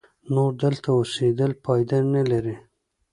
نور دلته اوسېدل پایده نه لري.